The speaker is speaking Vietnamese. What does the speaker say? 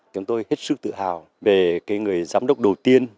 chúng tôi hết sức tự hào về người giám đốc đầu tiên